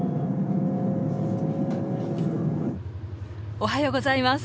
おはようございます！